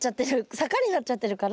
坂になっちゃってるから。